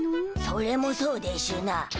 それもそうでしゅな。